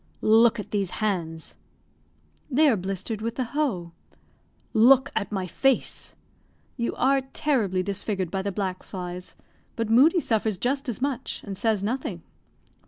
"Look at these hands." "They are blistered with the hoe." "Look at my face." "You are terribly disfigured by the black flies. But Moodie suffers just as much, and says nothing."